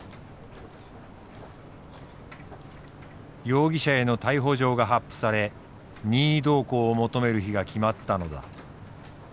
容疑者への逮捕状が発布され任意同行を求める日が決まったのだ。